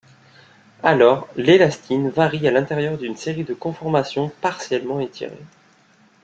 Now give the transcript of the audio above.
Alors, l’élastine varie à l'intérieur d'une série de conformations partiellement étirées.